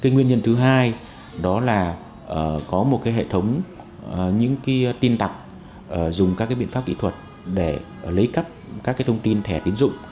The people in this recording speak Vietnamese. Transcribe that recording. nguyên nhân thứ hai đó là có một hệ thống những tin tặc dùng các biện pháp kỹ thuật để lấy cắt các thông tin thẻ tiến dụng